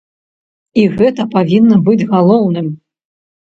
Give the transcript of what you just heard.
І гэта павінна быць галоўным.